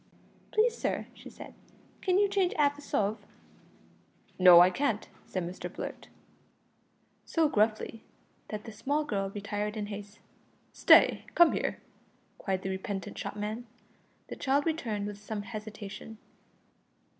"Please, sir," she said, "can you change 'alf a sov?" "No, I can't," said Mr Blurt, so gruffly that the small girl retired in haste. "Stay! come here," cried the repentant shopman. The child returned with some hesitation.